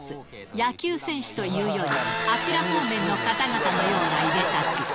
野球選手というより、あちら方面の方々のようないでたち。